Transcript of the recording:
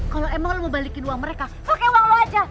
kalo emang lu mau balikin uang mereka pake uang lu aja